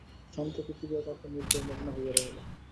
শ্রান্ত পৃথিবী অকাতর নিদ্রায় মগ্ন হইয়া রহিল।